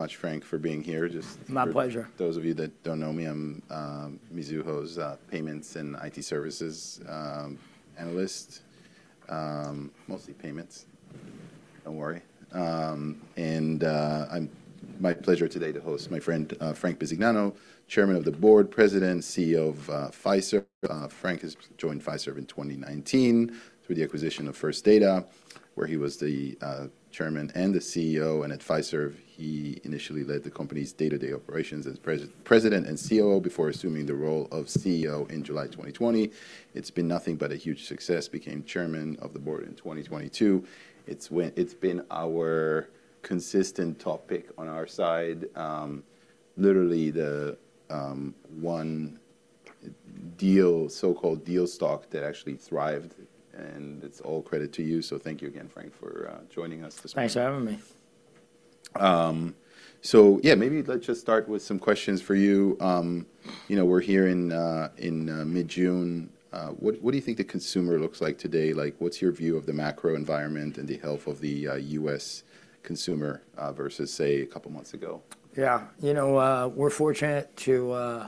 Hi, Frank. Thank you for being here. Just. My pleasure. For those of you that don't know me, I'm Mizuho's Payments and IT Services Analyst, mostly payments. Don't worry. It's my pleasure today to host my friend Frank Bisignano, Chairman of the Board, President, CEO of Fiserv. Frank has joined Fiserv in 2019 through the acquisition of First Data, where he was the Chairman and the CEO. At Fiserv, he initially led the company's day-to-day operations as President and COO before assuming the role of CEO in July 2020. It's been nothing but a huge success. He became Chairman of the Board in 2022. It's been our consistent topic on our side, literally the one so-called deal stock that actually thrived. It's all credit to you. So thank you again, Frank, for joining us this morning. Thanks for having me. So yeah, maybe let's just start with some questions for you. We're here in mid-June. What do you think the consumer looks like today? What's your view of the macro environment and the health of the U.S. consumer versus, say, a couple of months ago? Yeah. You know, we're fortunate to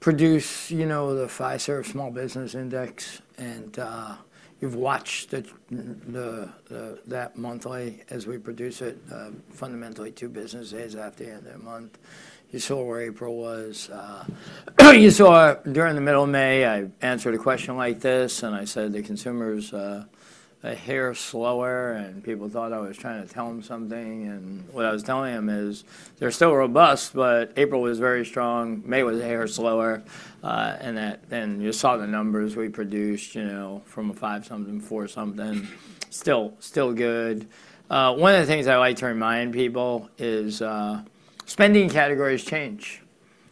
produce the Fiserv Small Business Index. You've watched that monthly as we produce it, fundamentally two business days after the end of the month. You saw where April was. You saw during the middle of May, I answered a question like this, and I said the consumer's a hair slower. People thought I was trying to tell them something. What I was telling them is they're still robust, but April was very strong. May was a hair slower. Then you saw the numbers we produced from a 5-something, 4-something. Still good. One of the things I like to remind people is spending categories change.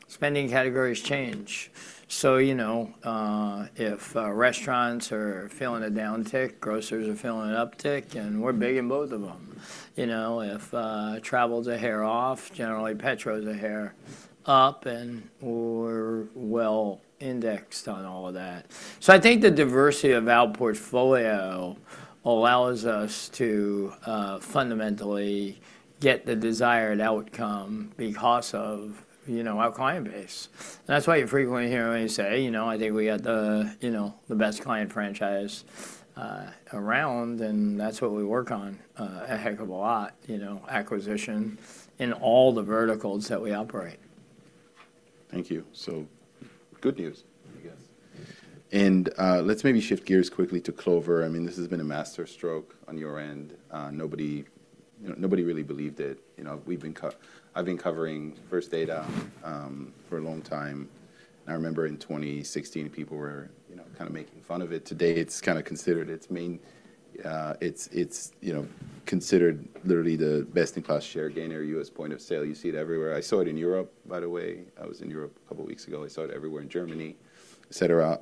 Spending categories change. So if restaurants are feeling a downtick, grocers are feeling an uptick, and we're big in both of them. If travel's a hair off, generally petro's a hair up, and we're well indexed on all of that. So I think the diversity of our portfolio allows us to fundamentally get the desired outcome because of our client base. And that's why you frequently hear me say, you know, I think we got the best client franchise around. And that's what we work on a heck of a lot, acquisition in all the verticals that we operate. Thank you. So good news, I guess. Let's maybe shift gears quickly to Clover. I mean, this has been a masterstroke on your end. Nobody really believed it. I've been covering First Data for a long time. I remember in 2016, people were kind of making fun of it. Today, it's kind of considered its main considered literally the best-in-class share gainer, U.S. point of sale. You see it everywhere. I saw it in Europe, by the way. I was in Europe a couple of weeks ago. I saw it everywhere in Germany, etc.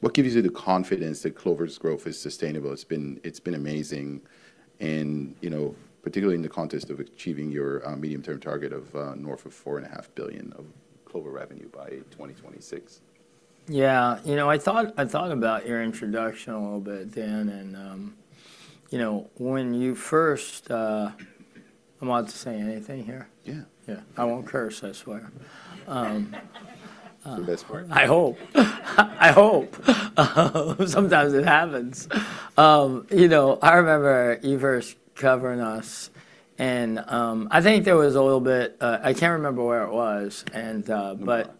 What gives you the confidence that Clover's growth is sustainable? It's been amazing, and particularly in the context of achieving your medium-term target of north of $4.5 billion of Clover revenue by 2026. Yeah. You know, I thought about your introduction a little bit, Dan. And when you first, I'm about to say anything here? Yeah. Yeah. I won't curse, I swear. It's the best part. I hope. I hope. Sometimes it happens. You know, I remember you first covering us. And I think there was a little bit. I can't remember where it was. But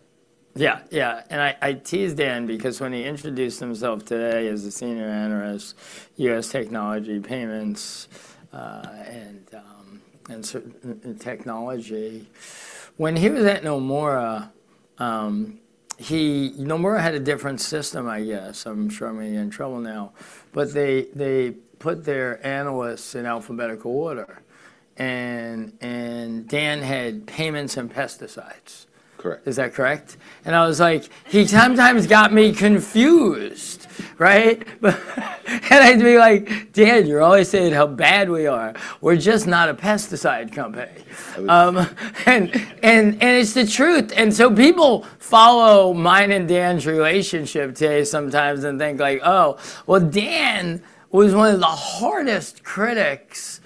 yeah, yeah. And I teased Dan because when he introduced himself today as a senior analyst, U.S. technology, payments, and technology, when he was at Nomura, Nomura had a different system, I guess. I'm sure I'm going to get in trouble now. But they put their analysts in alphabetical order. And Dan had payments and pesticides. Correct. Is that correct? I was like, he sometimes got me confused, right? I'd be like, Dan, you're always saying how bad we are. We're just not a pesticide company. It's the truth. So people follow mine and Dan's relationship today sometimes and think like, oh, well, Dan was one of the hardest critics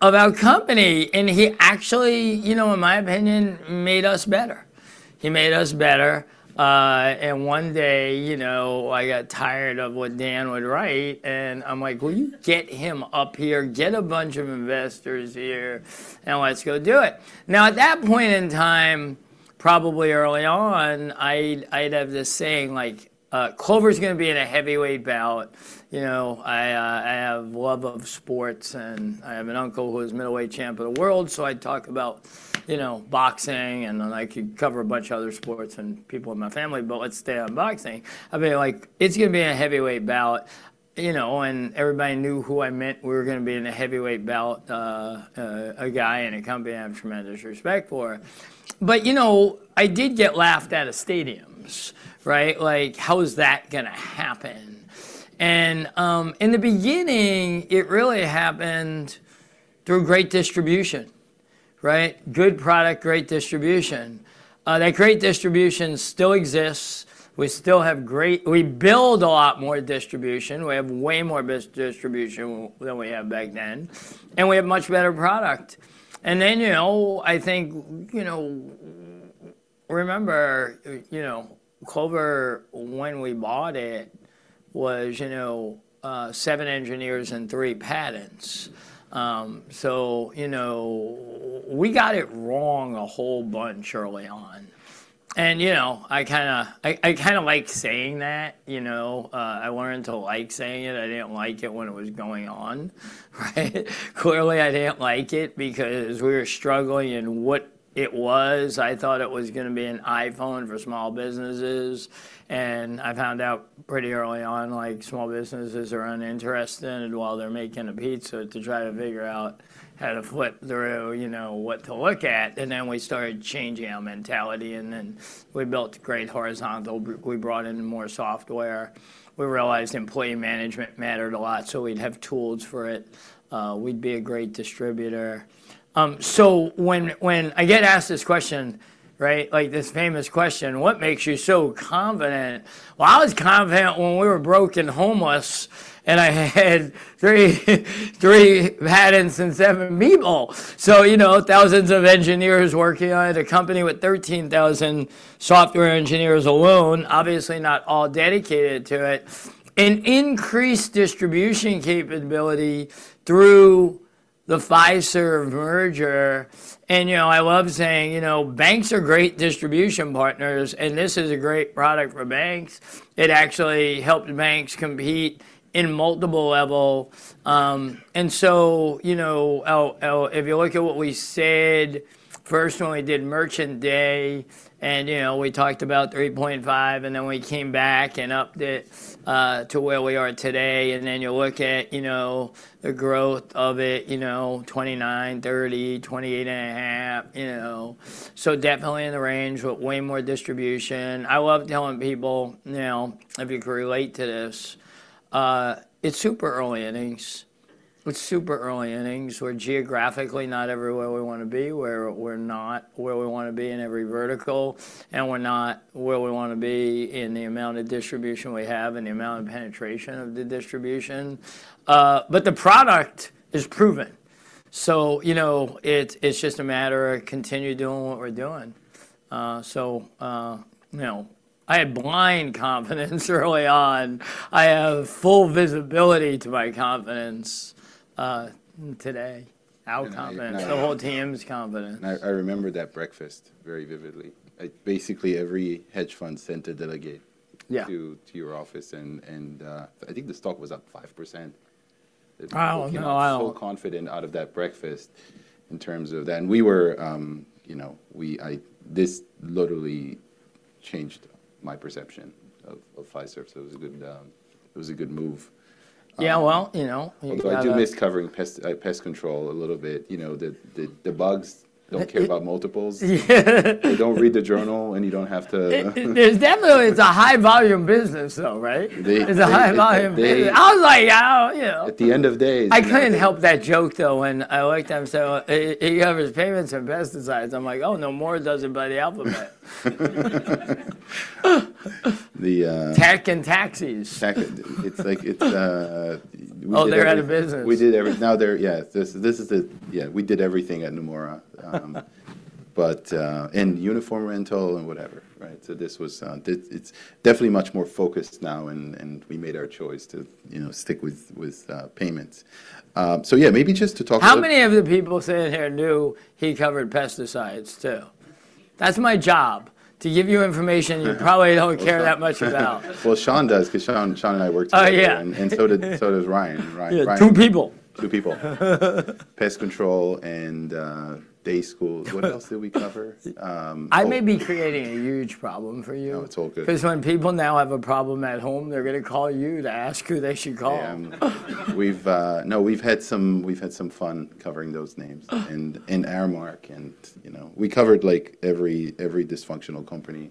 of our company. He actually, you know, in my opinion, made us better. He made us better. One day, you know, I got tired of what Dan would write. I'm like, well, you get him up here, get a bunch of investors here, and let's go do it. Now, at that point in time, probably early on, I'd have this saying, like, Clover's going to be in a heavyweight bout. You know, I have love of sports, and I have an uncle who is a middleweight champ of the world. So I'd talk about boxing, and then I could cover a bunch of other sports and people in my family, but let's stay on boxing. I'd be like, it's going to be in a heavyweight bout. You know, and everybody knew who I meant. We were going to be in a heavyweight bout, a guy and a company I have tremendous respect for. But you know, I did get laughed at at stadiums, right? Like, how is that going to happen? And in the beginning, it really happened through great distribution, right? Good product, great distribution. That great distribution still exists. We still have great, we build a lot more distribution. We have way more distribution than we had back then. And we have much better product. And then, you know, I think, you know, remember, you know, Clover, when we bought it, was, you know, seven engineers and three patents. So you know, we got it wrong a whole bunch early on. And you know, I kind of like saying that. You know, I learned to like saying it. I didn't like it when it was going on, right? Clearly, I didn't like it because we were struggling in what it was. I thought it was going to be an iPhone for small businesses. And I found out pretty early on, like, small businesses are uninterested while they're making a pizza to try to figure out how to flip through what to look at. And then we started changing our mentality. And then we built great horizontal. We brought in more software. We realized employee management mattered a lot. So we'd have tools for it. We'd be a great distributor. So when I get asked this question, right, like this famous question, what makes you so confident? Well, I was confident when we were broke and homeless, and I had three patents and seven people. So you know, thousands of engineers working on it, a company with 13,000 software engineers alone, obviously not all dedicated to it, and increased distribution capability through the Fiserv merger. And you know, I love saying, you know, banks are great distribution partners, and this is a great product for banks. It actually helped banks compete in multiple levels. And so you know, if you look at what we said, first when we did Merchant Day, and you know, we talked about $3.5 billion, and then we came back and upped it to where we are today. And then you look at you know the growth of it, you know, $29 billion, $30 billion, $28.5 billion. You know, so definitely in the range with way more distribution. I love telling people, you know, if you can relate to this, it's super early innings. It's super early innings. We're geographically not everywhere we want to be. We're not where we want to be in every vertical. And we're not where we want to be in the amount of distribution we have and the amount of penetration of the distribution. But the product is proven. So you know, I had blind confidence early on. I have full visibility to my confidence today, our confidence, the whole team's confidence. I remember that breakfast very vividly. Basically, every hedge fund sent a delegate to your office. I think the stock was up 5%. Wow. I was so confident out of that breakfast in terms of that. We were, you know, this literally changed my perception of Fiserv. It was a good move. Yeah, well, you know. I do miss covering pest control a little bit. You know, the bugs don't care about multiples. They don't read the Journal, and you don't have to. There's definitely a high-volume business, though, right? It's a high-volume business. I was like, you know. At the end of days. I couldn't help that joke, though, when I looked at him. So he covers payments and pesticides. I'm like, oh, Nomura does it by the alphabet. Tech and taxis. Tech. It's like, it's. Oh, they're out of business. We did everything. Yeah, this is the, yeah, we did everything at Nomura. But in uniform rental and whatever, right? So this was, it's definitely much more focused now, and we made our choice to stick with payments. So yeah, maybe just to talk about. How many of the people sitting here knew he covered pesticides, too? That's my job. To give you information you probably don't care that much about. Well, Sean does, because Sean and I work together. So does Ryan. Yeah, two people. Two people. Pest control and day school. What else did we cover? I may be creating a huge problem for you. No, it's all good. Because when people now have a problem at home, they're going to call you to ask who they should call. Yeah. No, we've had some fun covering those names and Aramark. And you know, we covered like every dysfunctional company.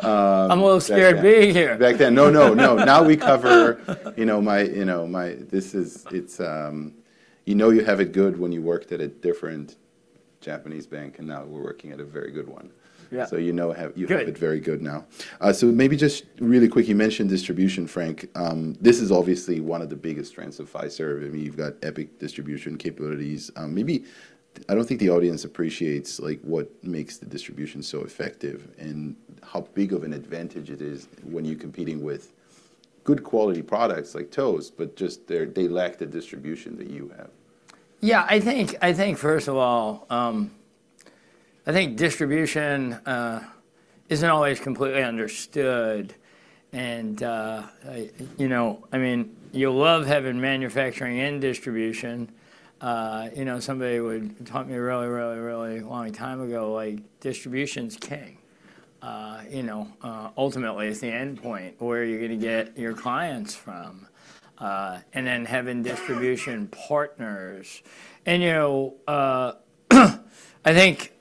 I'm a little scared being here. Back then. No, no, no. Now we cover, you know, this is, it's, you know, you have it good when you worked at a different Japanese bank, and now we're working at a very good one. Yeah. You know you have it very good now. Maybe just really quick, you mentioned distribution, Frank. This is obviously one of the biggest strengths of Fiserv. I mean, you've got epic distribution capabilities. Maybe, I don't think the audience appreciates what makes the distribution so effective and how big of an advantage it is when you're competing with good quality products like Toast, but just they lack the distribution that you have. Yeah, I think, I think first of all, I think distribution isn't always completely understood. And you know, I mean, you'll love having manufacturing and distribution. You know, somebody would taught me really, really, really long time ago, like, distribution's king. You know, ultimately, it's the endpoint. Where are you going to get your clients from? And then having distribution partners. And you know, I think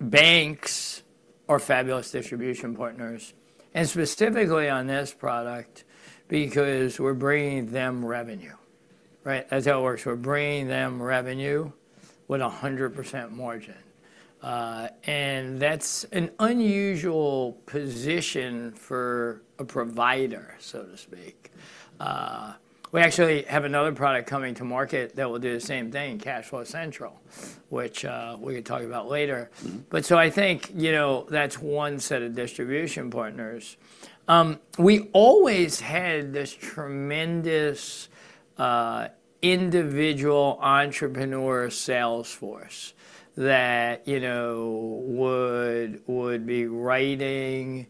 banks are fabulous distribution partners, and specifically on this product, because we're bringing them revenue, right? That's how it works. We're bringing them revenue with 100% margin. And that's an unusual position for a provider, so to speak. We actually have another product coming to market that will do the same thing, CashFlow Central, which we can talk about later. But so I think, you know, that's one set of distribution partners. We always had this tremendous individual entrepreneur sales force that, you know, would be writing,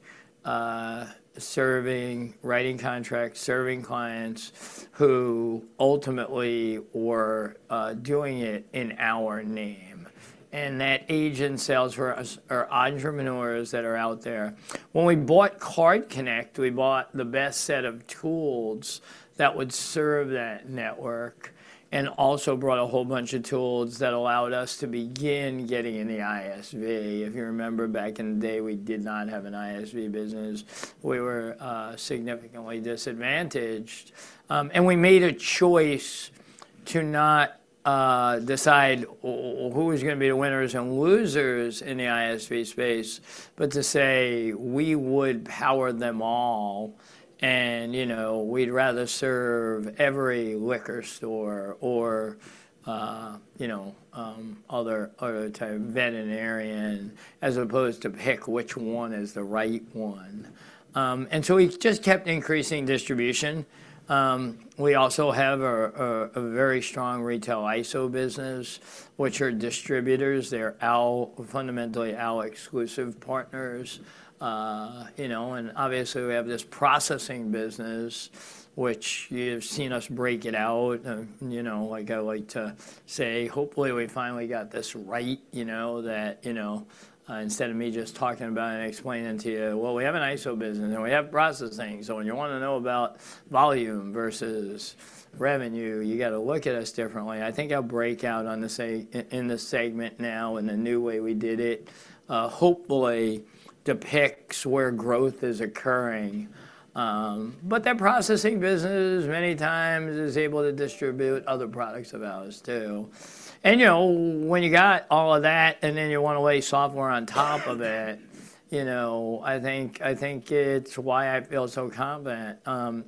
serving, writing contracts, serving clients who ultimately were doing it in our name. That agent sales for us are entrepreneurs that are out there. When we bought CardConnect, we bought the best set of tools that would serve that network and also brought a whole bunch of tools that allowed us to begin getting in the ISV. If you remember, back in the day, we did not have an ISV business. We were significantly disadvantaged. We made a choice to not decide who was going to be the winners and losers in the ISV space, but to say we would power them all. You know, we'd rather serve every liquor store or, you know, other type of veterinarian as opposed to pick which one is the right one. And so we just kept increasing distribution. We also have a very strong retail ISO business, which are distributors. They're fundamentally all exclusive partners. You know, and obviously, we have this processing business, which you've seen us break it out. You know, like I like to say, hopefully, we finally got this right, you know, that, you know, instead of me just talking about it and explaining to you, well, we have an ISO business and we have processing. So when you want to know about volume versus revenue, you got to look at us differently. I think I'll break out on this in the segment now in a new way we did it, hopefully depicts where growth is occurring. But that processing business many times is able to distribute other products of ours, too. And you know, when you got all of that and then you want to lay software on top of it, you know, I think it's why I feel so confident.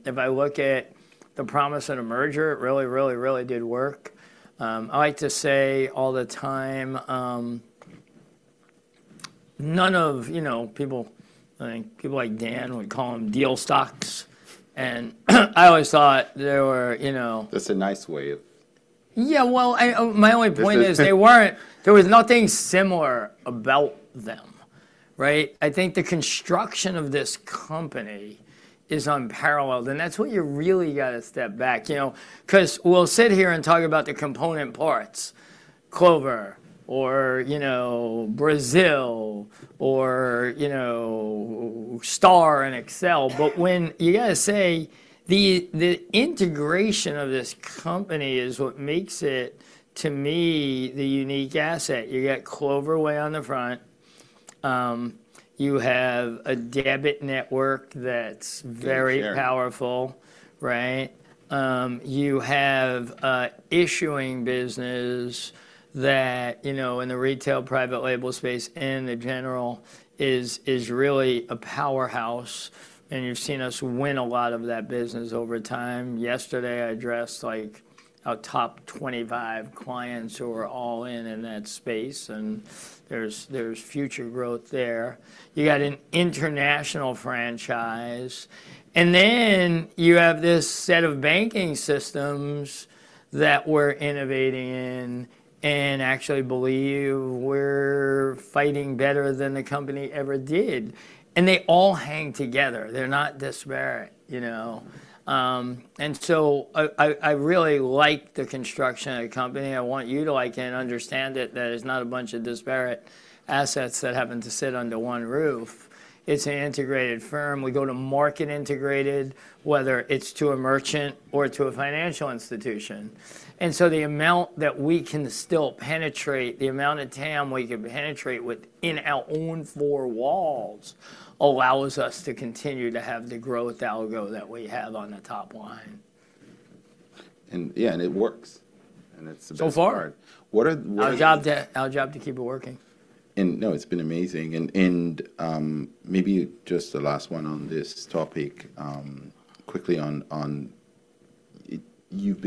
If I look at the promise of the merger, it really, really, really did work. I like to say all the time, none of, you know, people, I think people like Dan would call them deal stocks. And I always thought they were, you know. That's a nice way of. Yeah, well, my only point is they weren't, there was nothing similar about them, right? I think the construction of this company is unparalleled. And that's what you really got to step back, you know, because we'll sit here and talk about the component parts, Clover or, you know, Brazil or, you know, STAR and Accel. But when you got to say the integration of this company is what makes it, to me, the unique asset. You got Clover way on the front. You have a debit network that's very powerful, right? You have an issuing business that, you know, in the retail private label space and the general is really a powerhouse. And you've seen us win a lot of that business over time. Yesterday, I addressed like our top 25 clients who are all in that space. And there's future growth there. You got an international franchise. And then you have this set of banking systems that we're innovating in and actually believe we're fighting better than the company ever did. And they all hang together. They're not disparate, you know? And so I really like the construction of the company. I want you to like it and understand it. That is not a bunch of disparate assets that happen to sit under one roof. It's an integrated firm. We go to market integrated, whether it's to a merchant or to a financial institution. And so the amount that we can still penetrate, the amount of time we can penetrate within our own four walls allows us to continue to have the growth algo that we have on the top line. Yeah, and it works. It's a big part. So far. Our job to keep it working. And no, it's been amazing. Maybe just the last one on this topic, quickly on, you've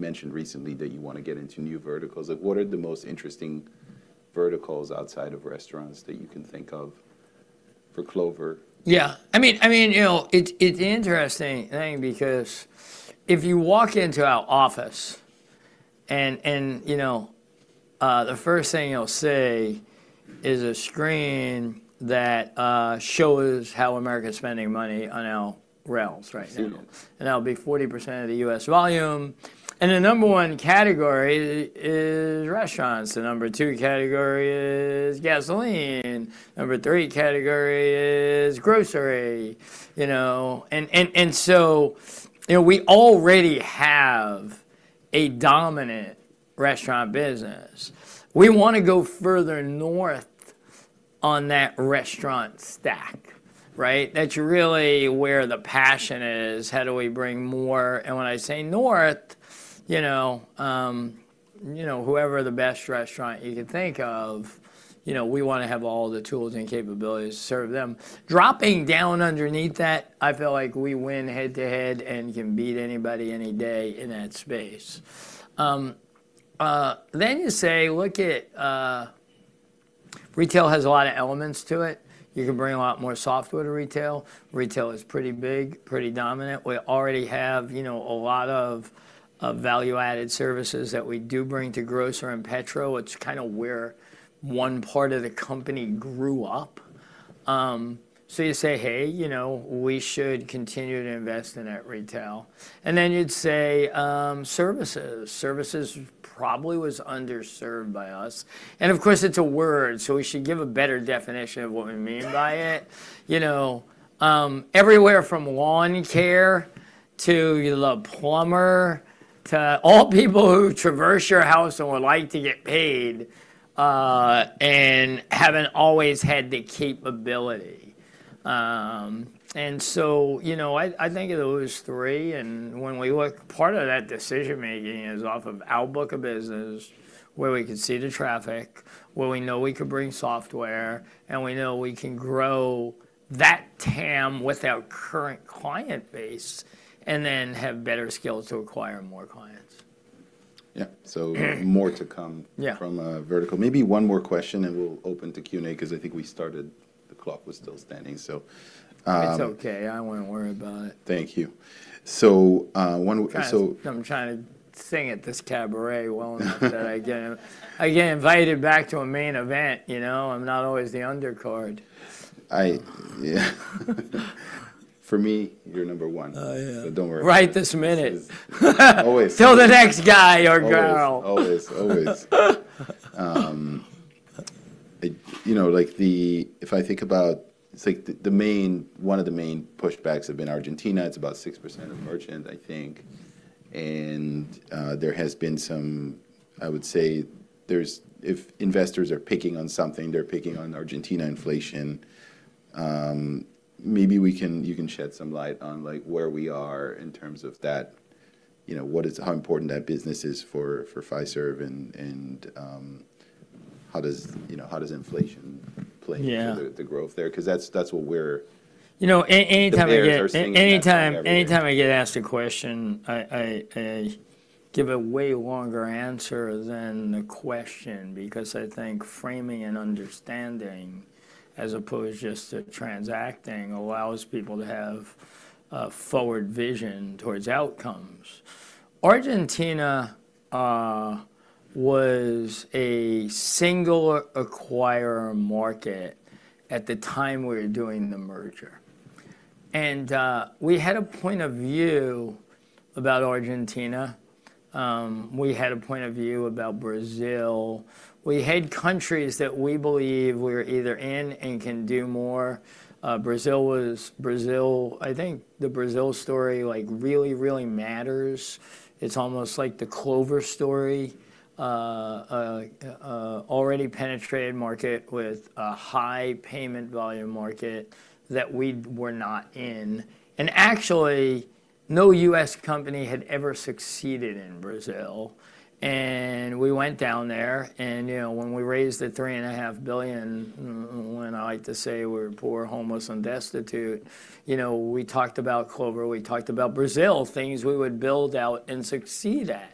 mentioned recently that you want to get into new verticals. Like, what are the most interesting verticals outside of restaurants that you can think of for Clover? Yeah. I mean, you know, it's an interesting thing because if you walk into our office and you know, the first thing you'll see is a screen that shows how America is spending money on our rails, right? And that'll be 40% of the U.S. volume. And the number one category is restaurants. The number two category is gasoline. The number three category is grocery. You know, and so, you know, we already have a dominant restaurant business. We want to go further north on that restaurant stack, right? That's really where the passion is. How do we bring more? And when I say north, you know, you know, whoever the best restaurant you can think of, you know, we want to have all the tools and capabilities to serve them. Dropping down underneath that, I feel like we win head to head and can beat anybody any day in that space. Then you say, look, retail has a lot of elements to it. You can bring a lot more software to retail. Retail is pretty big, pretty dominant. We already have, you know, a lot of value-added services that we do bring to grocery and petro. It's kind of where one part of the company grew up. So you say, hey, you know, we should continue to invest in that retail. And then you'd say services. Services probably was underserved by us. And of course, it's a word. So we should give a better definition of what we mean by it. You know, everywhere from lawn care to your local plumber to all people who traverse your house and would like to get paid and haven't always had the capability. And so, you know, I think of those three. And when we look, part of that decision-making is off of our book of business, where we can see the traffic, where we know we can bring software, and we know we can grow that TAM with our current client base and then have better skills to acquire more clients. Yeah. So more to come from a vertical. Maybe one more question, and we'll open to Q&A, because I think we started, the clock was still standing, so. It's okay. I wouldn't worry about it. Thank you. So one. I'm trying to sing at this cabaret well enough that I get invited back to a main event, you know? I'm not always the undercard. For me, you're number one. Oh, yeah. But don't worry. Right this minute. Always. Tell the next guy or girl. Always, always. You know, like the, if I think about, it's like the main, one of the main pushbacks have been Argentina. It's about 6% of merchants, I think. And there has been some, I would say, there's, if investors are picking on something, they're picking on Argentina inflation. Maybe we can, you can shed some light on like where we are in terms of that, you know, what is, how important that business is for Fiserv and how does, you know, how does inflation play into the growth there? Because that's what we're. You know, anytime I get asked a question, I give a way longer answer than the question, because I think framing and understanding as opposed just to transacting allows people to have a forward vision towards outcomes. Argentina was a single acquirer market at the time we were doing the merger. We had a point of view about Argentina. We had a point of view about Brazil. We had countries that we believe we're either in and can do more. Brazil was. I think the Brazil story like really, really matters. It's almost like the Clover story, already penetrated market with a high payment volume market that we were not in. And actually, no U.S. company had ever succeeded in Brazil. And we went down there and, you know, when we raised the $3.5 billion, when I like to say we're poor, homeless, and destitute, you know, we talked about Clover, we talked about Brazil, things we would build out and succeed at.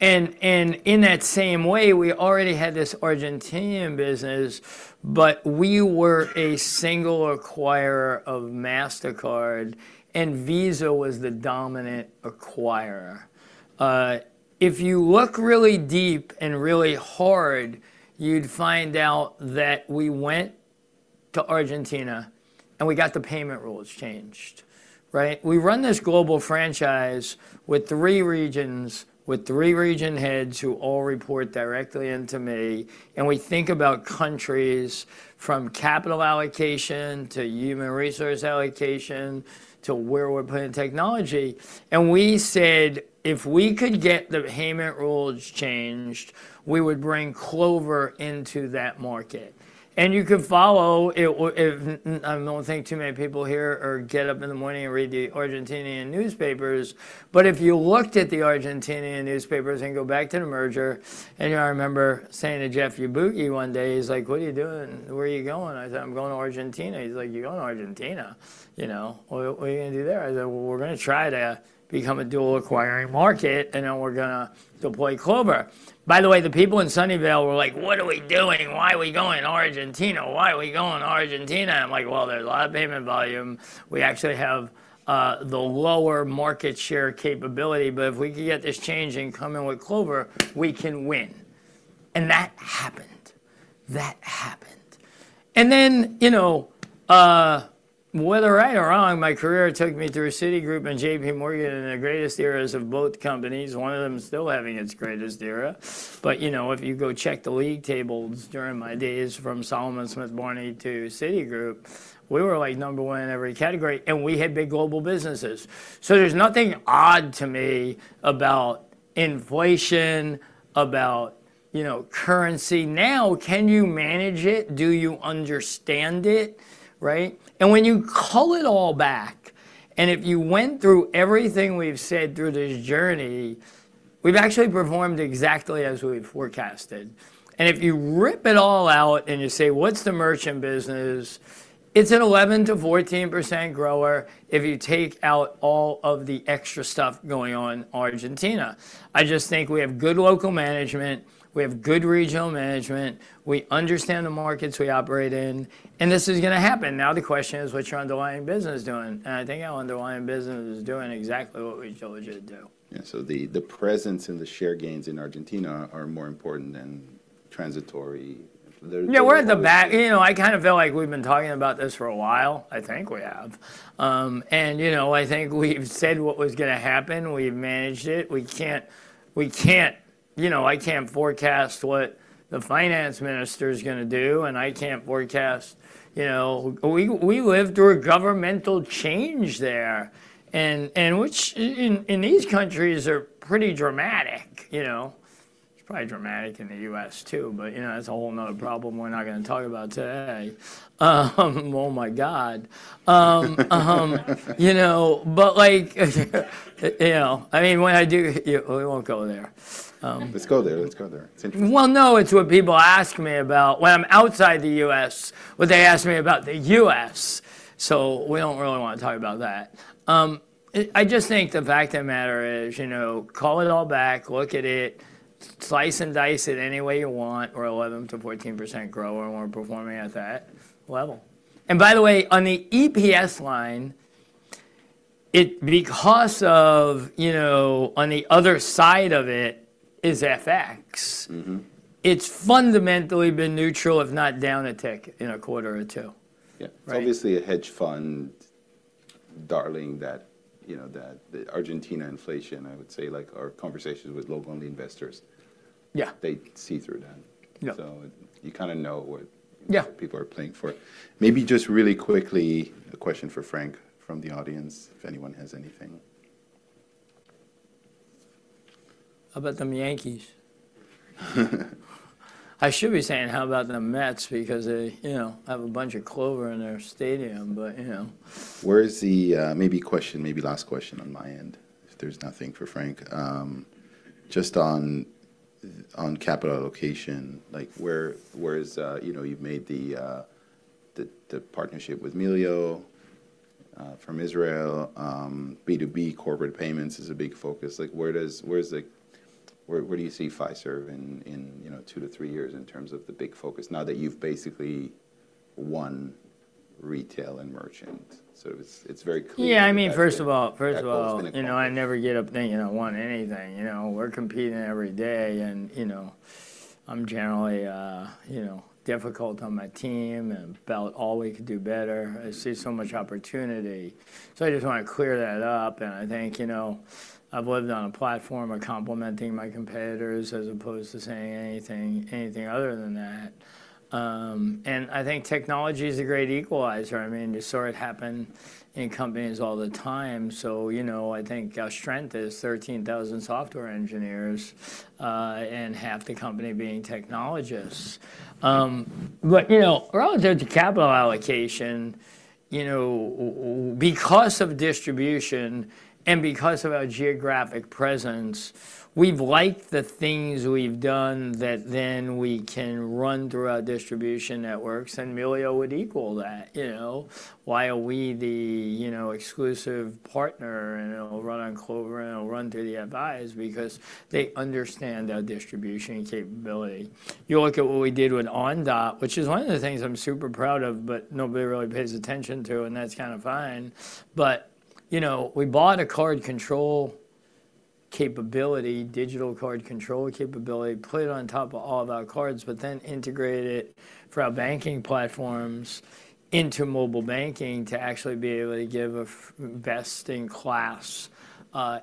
And in that same way, we already had this Argentine business, but we were a single acquirer of Mastercard and Visa was the dominant acquirer. If you look really deep and really hard, you'd find out that we went to Argentina and we got the payment rules changed, right? We run this global franchise with three regions, with three region heads who all report directly into me. And we think about countries from capital allocation to human resource allocation to where we're putting technology. And we said, if we could get the payment rules changed, we would bring Clover into that market. You can follow. I don't think too many people here who get up in the morning and read the Argentinian newspapers. But if you looked at the Argentinian newspapers and go back to the merger, and I remember saying to Jeff Yabuki one day, he's like, what are you doing? Where are you going? I said, I'm going to Argentina. He's like, you're going to Argentina, you know? What are you going to do there? I said, well, we're going to try to become a dual acquiring market and then we're going to deploy Clover. By the way, the people in Sunnyvale were like, what are we doing? Why are we going to Argentina? Why are we going to Argentina? I'm like, well, there's a lot of payment volume. We actually have the lower market share capability. But if we can get this change and come in with Clover, we can win. And that happened. That happened. And then, you know, whether right or wrong, my career took me through Citigroup and JPMorgan in the greatest eras of both companies. One of them still having its greatest era. But you know, if you go check the league tables during my days from Salomon Smith Barney to Citigroup, we were like number one in every category and we had big global businesses. So there's nothing odd to me about inflation, about, you know, currency. Now, can you manage it? Do you understand it? Right? And when you call it all back, and if you went through everything we've said through this journey, we've actually performed exactly as we've forecasted. And if you rip it all out and you say, what's the merchant business? It's an 11%-14% grower if you take out all of the extra stuff going on in Argentina. I just think we have good local management. We have good regional management. We understand the markets we operate in. And this is going to happen. Now the question is, what's your underlying business doing? And I think our underlying business is doing exactly what we told you to do. Yeah. So the presence and the share gains in Argentina are more important than transitory. Yeah, we're at the back. You know, I kind of feel like we've been talking about this for a while. I think we have. And you know, I think we've said what was going to happen. We've managed it. We can't, we can't, you know, I can't forecast what the finance minister is going to do. And I can't forecast, you know, we lived through a governmental change there. And which in these countries are pretty dramatic, you know? It's probably dramatic in the U.S. too, but you know, that's a whole nother problem we're not going to talk about today. Oh my God. You know, but like, you know, I mean, when I do, we won't go there. Let's go there. Let's go there. It's interesting. Well, no, it's what people ask me about when I'm outside the U.S., what they ask me about the U.S. So we don't really want to talk about that. I just think the fact of the matter is, you know, call it all back, look at it, slice and dice it any way you want. We're 11%-14% grower. We're performing at that level. And by the way, on the EPS line, it, because of, you know, on the other side of it is FX. It's fundamentally been neutral, if not down a tick in a quarter or two. Yeah. Obviously, a hedge fund darling that, you know, that Argentina inflation, I would say like our conversations with local investors. Yeah. They see through that. Yeah. So you kind of know what people are playing for. Maybe just really quickly, a question for Frank from the audience, if anyone has anything. How about them Yankees? I should be saying, how about them Mets? Because they, you know, have a bunch of Clover in their stadium, but you know. Where is the, maybe question, maybe last question on my end, if there's nothing for Frank? Just on capital allocation, like where is, you know, you've made the partnership with Melio from Israel, B2B corporate payments is a big focus. Like where does, where's the, where do you see Fiserv in, you know, two to three years in terms of the big focus now that you've basically won retail and merchant? So it's very clear. Yeah, I mean, first of all, first of all, you know, I never get up thinking I want anything. You know, we're competing every day and, you know, I'm generally, you know, difficult on my team and about all we could do better. I see so much opportunity. So I just want to clear that up. And I think, you know, I've lived on a platform of complimenting my competitors as opposed to saying anything, anything other than that. And I think technology is a great equalizer. I mean, you saw it happen in companies all the time. So, you know, I think our strength is 13,000 software engineers and half the company being technologists. But you know, relative to capital allocation, you know, because of distribution and because of our geographic presence, we've liked the things we've done that then we can run through our distribution networks. Melio would equal that, you know, why are we the, you know, exclusive partner and it'll run on Clover and it'll run through the FIs because they understand our distribution capability. You look at what we did with Ondot, which is one of the things I'm super proud of, but nobody really pays attention to, and that's kind of fine. But you know, we bought a card control capability, digital card control capability, put it on top of all of our cards, but then integrated it for our banking platforms into mobile banking to actually be able to give a best in class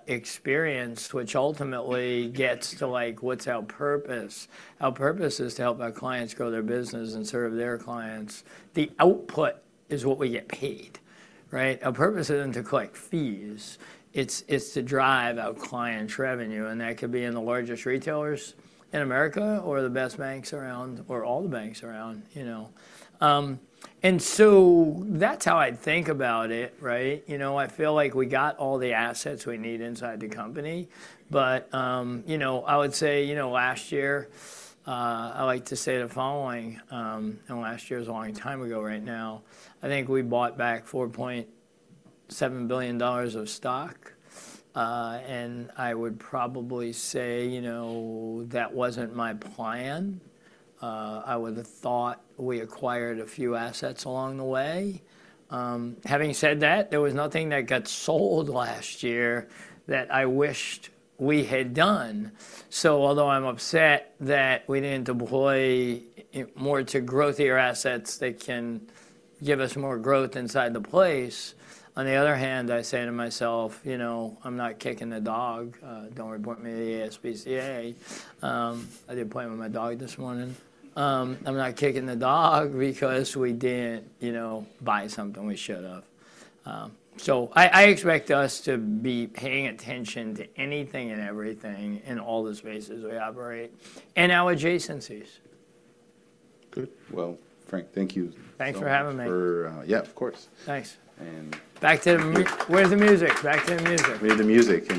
experience, which ultimately gets to like what's our purpose. Our purpose is to help our clients grow their business and serve their clients. The output is what we get paid, right? Our purpose isn't to collect fees. It's to drive our clients' revenue. And that could be in the largest retailers in America or the best banks around or all the banks around, you know? And so that's how I'd think about it, right? You know, I feel like we got all the assets we need inside the company. But you know, I would say, you know, last year, I like to say the following. And last year is a long time ago right now. I think we bought back $4.7 billion of stock. And I would probably say, you know, that wasn't my plan. I would have thought we acquired a few assets along the way. Having said that, there was nothing that got sold last year that I wished we had done. So although I'm upset that we didn't deploy more to growthier assets that can give us more growth inside the place, on the other hand, I say to myself, you know, I'm not kicking the dog. Don't report me to the ASPCA. I didn't play with my dog this morning. I'm not kicking the dog because we didn't, you know, buy something we should have. So I expect us to be paying attention to anything and everything in all the spaces we operate and our adjacencies. Good. Well, Frank, thank you. Thanks for having me. Yeah, of course. Thanks. And. Back to the, where's the music? Back to the music. Where's the music?